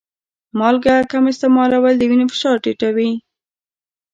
مالګه کم استعمالول د وینې فشار ټیټوي.